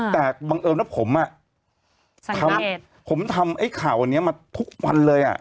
แต่บังเอิญแล้วผมอะผมทำไอ้ข่าวนี้มาทุกวันเลยอะ